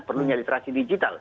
perlunya literasi digital